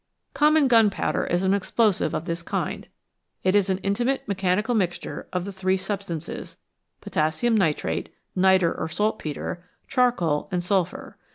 Common gunpowder is an explosive of this kind. It is an intimate mechanical mixture of the three substances potassium nitrate (nitre or saltpetre), charcoal, and sulphur.